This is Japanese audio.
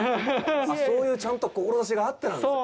あっ、そういう、ちゃんと志があってなんですね？